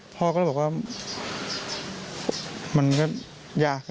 พ่อก็บอกว่ามันก็ยากครับ